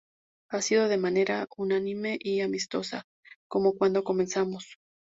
Ha sido de manera unánime y amistosa, como cuando comenzamos.